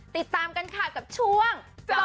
ติดตามกันค่ะกับช่วงจอ